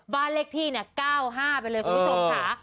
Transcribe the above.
บ้านเลขที่๙๕ไปเลยคุณผู้ชมค่ะ